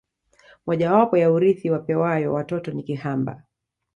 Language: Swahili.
Mojawapo ya urithi wapewayo watoto ni kihamba